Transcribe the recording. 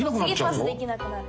次パスできなくなる。